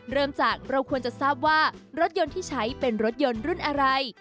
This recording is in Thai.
เริ่มจากเราควรจะทราบว่ารถยนต์ที่ใช้เป็นรถยนต์รุ่นอะไร